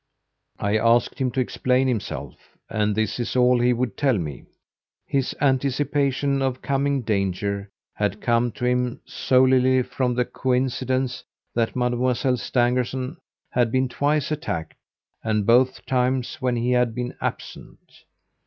"I asked him to explain himself, and this is all he would tell me. His anticipation of coming danger had come to him solely from the coincidence that Mademoiselle Stangerson had been twice attacked, and both times when he had been absent.